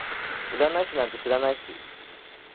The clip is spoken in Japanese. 占い師なんて知らないし